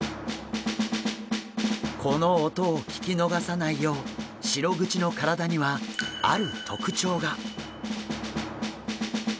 この音を聞き逃さないようシログチの体にはある特徴が。